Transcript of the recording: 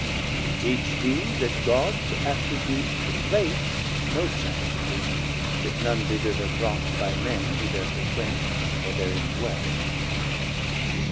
To teach thee that God attributes to place No sanctitie, if none be thither brought By Men who there frequent, or therein dwell.